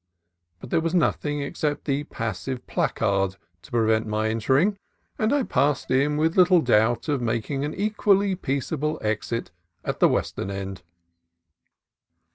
But there was nothing except the passive placard to prevent my entering, and I passed in with little doubt of making an equally peaceable exit at the western end.